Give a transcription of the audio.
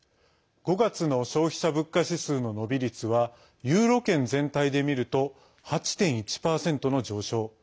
５月の消費者物価指数の伸び率はユーロ圏全体で見ると８．１％の上昇。